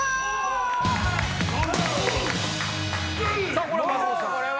さぁこれは？